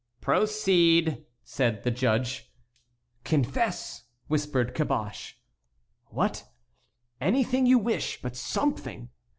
"Proceed," said the judge. "Confess," whispered Caboche. "What?" "Anything you wish, but something."